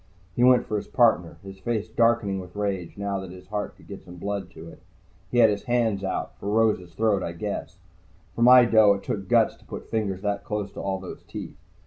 He went for his partner, his face darkening with rage now that his heart could get some blood to it. He had his hands out, for Rose's throat, I guess. For my dough it took guts to put fingers that close to all those teeth.